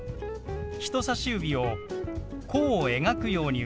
人さし指を弧を描くように動かします。